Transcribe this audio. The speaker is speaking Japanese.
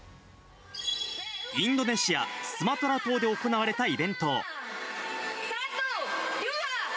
インドネシア・スマトラ島で行われたイベント。